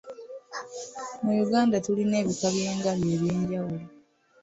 Mu Uganda tulina ebika by'engabi eby'enjawulo.